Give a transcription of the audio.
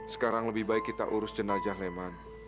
sekarang lebih baik kita urus jenajah leman